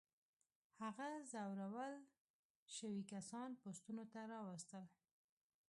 هغه ځورول شوي کسان پوستونو ته راوستل.